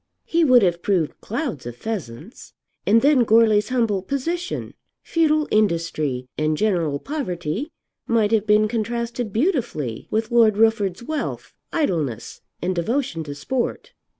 He would have proved clouds of pheasants. And then Goarly's humble position, futile industry, and general poverty might have been contrasted beautifully with Lord Rufford's wealth, idleness, and devotion to sport.